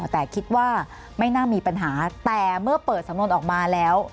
แต่คิดว่าไม่น่ามีปัญหาแต่เมื่อเปิดสำนวนออกมาแล้ว